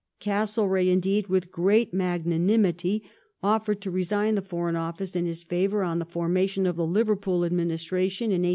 Castlereagh, indeed, with great magnanimity offered to resign the Foreign Office in his favour on the formation of the Liverpool administra tion in 1812.